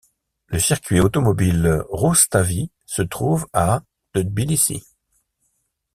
Le circuit automobile Roustavi se trouve à de Tbilissi.